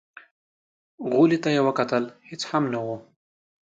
غولي ته يې وکتل، هېڅ هم نه و.